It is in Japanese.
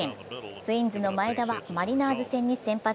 ツインズの前田はマリナーズ戦に先発。